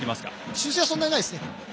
修正はそんなにないですね。